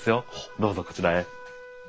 どうぞこちらへ。